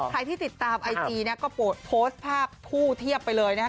ใครที่ติดตามไอจีเนี่ยก็โพสต์ภาพคู่เทียบไปเลยนะครับ